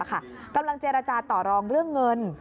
กำลังเจรจาต่อรองเรื่องเงิน